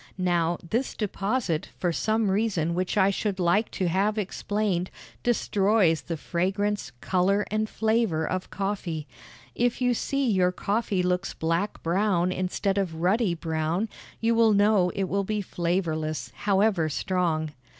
Now, this deposit, for some reason which I should like to have explained, destroys the fragrance, color, and flavor of coffee. If you see your coffee looks black brown instead of ruddy brown, you will know it will be flavorless, however strong.